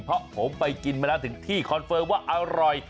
เพราะผมไปกินมาแล้วถึงที่คอนเฟิร์มว่าอร่อย